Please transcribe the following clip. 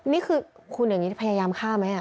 นี่คือคุณอย่างนี้พยายามฆ่าไหม